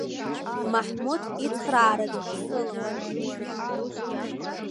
Маҳмуҭ ицхраараҵәҟьа сылымшеит.